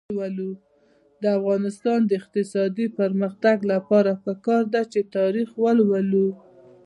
د افغانستان د اقتصادي پرمختګ لپاره پکار ده چې تاریخ ولولو.